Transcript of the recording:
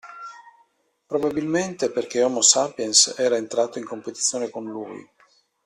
Probabilmente perché Homo Sapiens era entrato in competizione con lui.